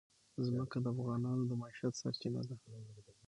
ځمکه د افغانانو د معیشت سرچینه ده.